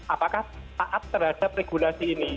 apakah taat terhadap regulasi ini